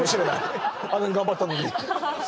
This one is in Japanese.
あんなに頑張ったのに？